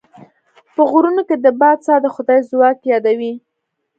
په غرونو کې د باد ساه د خدای ځواک رايادوي.